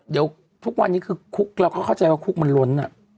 เดี๋ยวทุกวันนี้คือคุกเราก็เข้าใจว่าคุกมันล้น